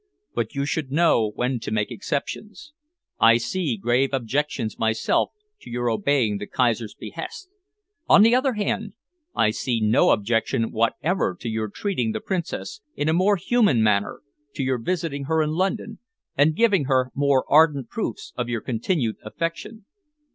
But you should know when to make exceptions. I see grave objections myself to your obeying the Kaiser's behest. On the other hand, I see no objection whatever to your treating the Princess in a more human manner, to your visiting her in London, and giving her more ardent proofs of your continued affection."